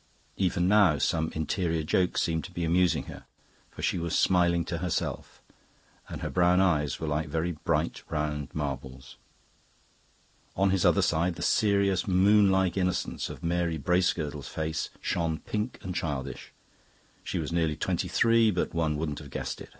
Even now some interior joke seemed to be amusing her, for she was smiling to herself, and her brown eyes were like very bright round marbles. On his other side the serious, moonlike innocence of Mary Bracegirdle's face shone pink and childish. She was nearly twenty three, but one wouldn't have guessed it.